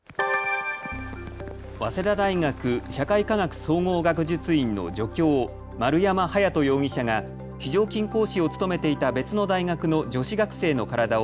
早稲田大学社会科学総合学術院の助教、丸山隼人容疑者が非常勤講師を務めていた別の大学の女子学生の体を